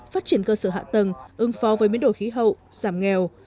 phát triển cơ sở hạ tầng ưng phò với biến đổi khí hậu giảm nghèo